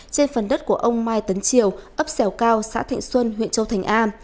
trên phần đất của ông mai tấn triều ấp xẻo cao xã thạnh xuân huyện châu thành a